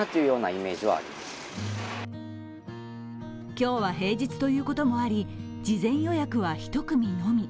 今日は平日ということもあり事前予約は１組のみ。